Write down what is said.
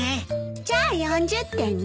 じゃあ４０点ね。